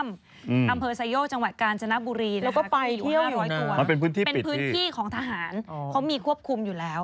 อำเภอไซโยกจังหวัดกาญจนบุรีอยู่๕๐๐กวนเป็นพื้นที่ของทหารเขามีควบคุมอยู่แล้ว